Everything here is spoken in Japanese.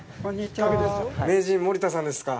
名人、森田さんですか。